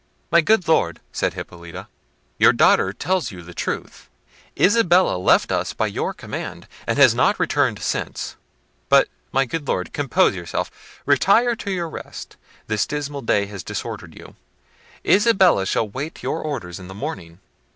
"My good Lord," says Hippolita, "your daughter tells you the truth: Isabella left us by your command, and has not returned since;—but, my good Lord, compose yourself: retire to your rest: this dismal day has disordered you. Isabella shall wait your orders in the morning."